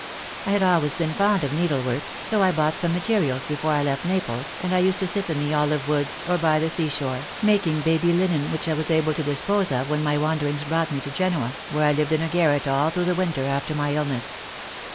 I had always been fond of needlework, so I bought some materials before I left Naples, and I used to sit in the olive woods, or by the sea shore, making baby linen, which I was able to dispose of when my wanderings brought me to Genoa, where I lived in a garret all through the winter after my illness.